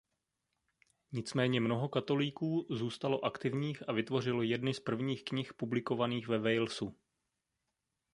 Nicméně mnoho katolíků zůstalo aktivních a vytvořilo jedny z prvních knih publikovaných ve Walesu.